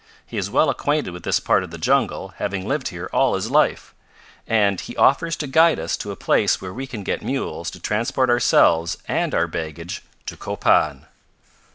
He is well acquainted with this part of the jungle, having lived here all his life, and he offers to guide us to a place where we can get mules to transport ourselves and our baggage to Copan."